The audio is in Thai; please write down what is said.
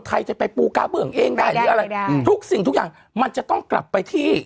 ใครจะไปปูกาเบื้องเองได้หรืออะไรได้ทุกสิ่งทุกอย่างมันจะต้องกลับไปที่